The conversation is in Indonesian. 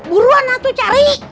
buruan lah tuh cari